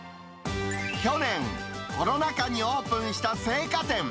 去年、コロナ禍にオープンした青果店。